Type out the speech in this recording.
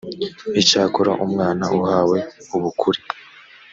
icyakora umwana uhawe ubukure